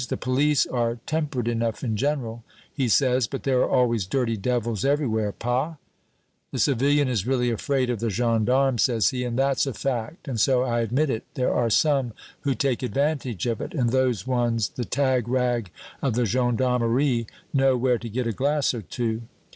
"'The police are temperate enough in general,' he says, 'but there are always dirty devils everywhere, pas? The civilian is really afraid of the gendarme,' says he, 'and that's a fact; and so, I admit it, there are some who take advantage of it, and those ones the tag rag of the gendarmerie know where to get a glass or two.